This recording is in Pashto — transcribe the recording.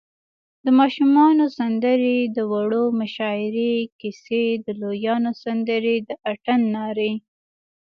د ماشومانو سندرې، د وړو مشاعرې، کیسی، د لویانو سندرې، د اتڼ نارې